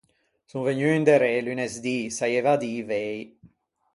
Son vegnuo inderê lunesdì, saieiva à dî vëi.